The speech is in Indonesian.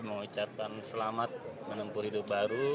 mengucapkan selamat menempuh hidup baru